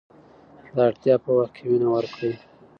د اړتیا په وخت کې وینه ورکړئ.